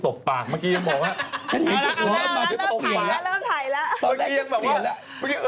ก็ไปกันใหญ่เอาให้รู้ว่าในใน